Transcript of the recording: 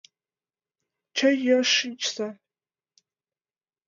Чай йӱаш шичса!